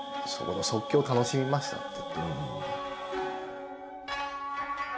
そこで即興を楽しみました。